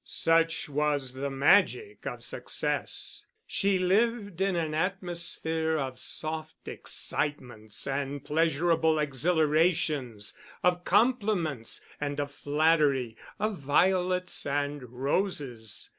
Such was the magic of success. She lived in an atmosphere of soft excitements and pleasurable exhilarations, of compliments and of flattery, of violets and roses.